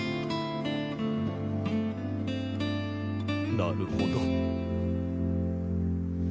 なるほど。